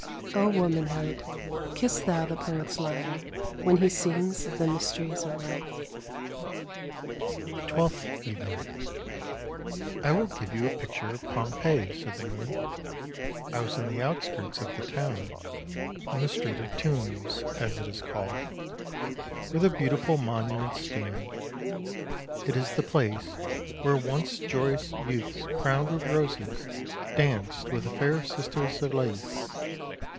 Oh womanhood, kiss thou the poet's lyre, when he sings of the mysteries of life! " TWELFTH EVENING " I will give you a picture of Pompeii," said the moon. " I was in the outskirts of the town, in the street of Tombs, as it is called, where the beautiful monuments stand; it is the place where once joyous youths crowned with roses danced with the fair sisters of Lais.